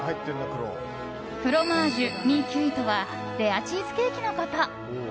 フロマージュ・ミ・キュイとはレアチーズケーキのこと。